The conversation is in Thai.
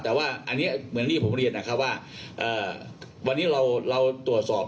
แต่ว่าอันนี้เหมือนที่ผมเรียนนะครับว่าวันนี้เราตรวจสอบ